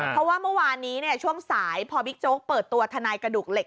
เพราะว่าเมื่อวานนี้ช่วงสายพอบิ๊กโจ๊กเปิดตัวทนายกระดูกเหล็ก